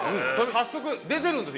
早速出てるんですよ